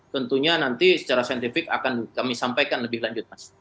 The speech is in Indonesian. tentunya nanti secara scientific akan kami sampaikan lebih lanjut